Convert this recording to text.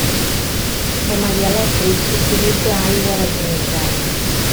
Com a dielèctric s'utilitza aigua desionitzada.